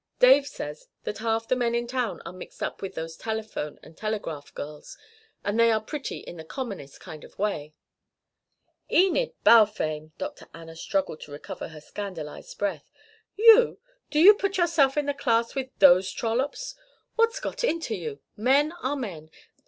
Dave says that half the men in town are mixed up with those telephone and telegraph girls, and they are pretty in the commonest kind of way " "Enid Balfame!" Dr. Anna struggled to recover her scandalised breath. "You! Do you put yourself in the class with those trollops? What's got into you? Men are men.